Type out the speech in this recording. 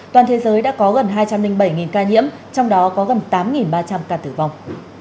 toàn thế giới đã có gần hai trăm linh bảy ca nhiễm trong đó có gần tám ba trăm linh ca tử vong